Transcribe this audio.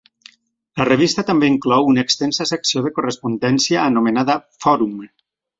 La revista també inclou una extensa secció de correspondència anomenada "Forum".